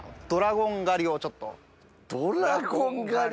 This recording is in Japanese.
ドラゴン狩り？